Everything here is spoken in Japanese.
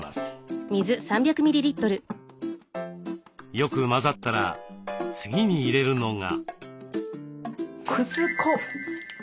よく混ざったら次に入れるのが。